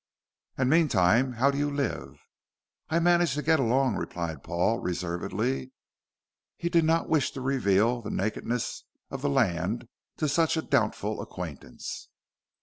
"And meantime how do you live?" "I manage to get along," replied Paul, reservedly. He did not wish to reveal the nakedness of the land to such a doubtful acquaintance.